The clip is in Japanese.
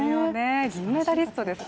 銀メダリストです。